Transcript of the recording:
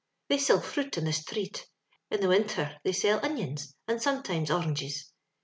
ITaey Bill fruit in the sthreet; in the winther they sili onions ^ nnd sometimes oriuTPfe«.